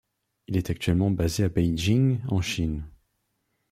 Il est actuellement basé à Beijing, en Chine.